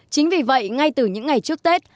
chính vì vậy ngay từ những ngày trước tết